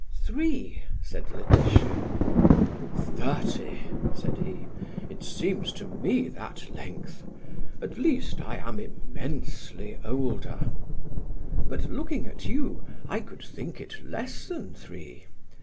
"Three," said Laetitia. "Thirty!" said he. "It seems to me that length. At least, I am immensely older. But looking at you, I could think it less than three.